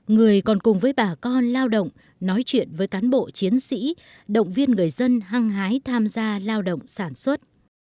người còn cùng với bà con lao động nói chuyện với cán bộ chiến sĩ động viên người dân hăng hái tham gia lao động sản xuất